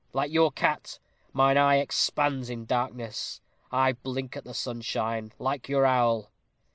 Like your cat, mine eye expands in darkness. I blink at the sunshine, like your owl."